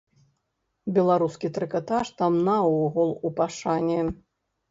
Беларускі трыкатаж там наогул у пашане.